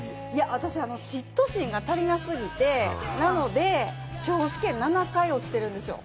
私、嫉妬心が足りなすぎて、司法試験７回落ちているんですよ。